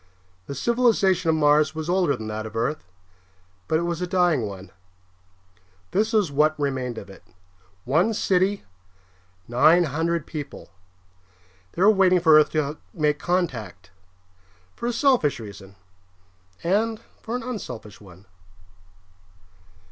The civilization of Mars was older than that of Earth, but it was a dying one. This was what remained of it: one city, nine hundred people. They were waiting for Earth to make contact, for a selfish reason and for an unselfish one.